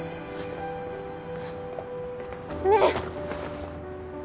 ねえ。